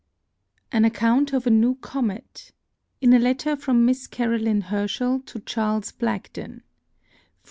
• An Account of a new Comet. Ik a Letter from Mifs CaroUu^. Herfchel to Charles Blagden, M.